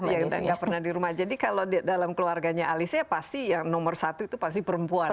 dan tidak pernah di rumah jadi kalau dalam keluarganya alisa ya pasti yang nomor satu itu pasti perempuan